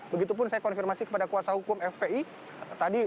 begitupun saya konfirmasi kepada kuasa hukum fpi tadi